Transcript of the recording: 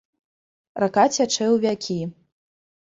Рака цячэ ў вякі.